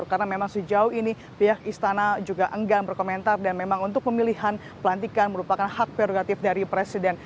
karena memang sejauh ini pihak istana juga enggam berkomentar dan memang untuk pemilihan pelantikan merupakan hak perogatif dari presiden